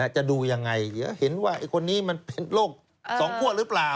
จะดูยังไงเดี๋ยวเห็นว่าคนนี้มันเป็นโรคสองคั่วหรือเปล่า